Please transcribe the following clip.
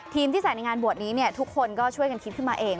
ที่ใส่ในงานบวชนี้เนี่ยทุกคนก็ช่วยกันคิดขึ้นมาเอง